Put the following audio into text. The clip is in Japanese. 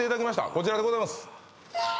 こちらでございます